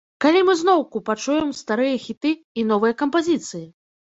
Калі мы зноўку пачуем старыя хіты і новыя кампазіцыі?